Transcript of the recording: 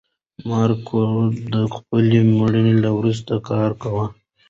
ماري کوري د خپل مېړه له مرسته کار کاوه.